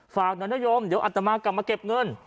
ฝากหน่อยนโยมเดี๋ยวอัตมากลับมาเก็บเงิน